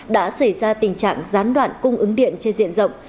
đã xảy ra tình trạng gián đoạn cung ứng điện trên diện rộng